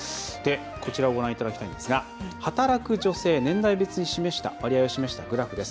こちらをご覧いただきたいんですが働く女性、年代別に割合を示したグラフです。